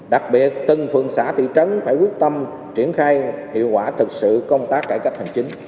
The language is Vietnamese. đặc biệt từng phường xã thị trấn phải quyết tâm triển khai hiệu quả thực sự công tác cải cách hành chính